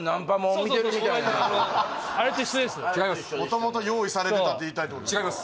もともと用意されてたって言いたいってことですか